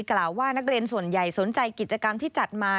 กล่าวว่านักเรียนส่วนใหญ่สนใจกิจกรรมที่จัดมา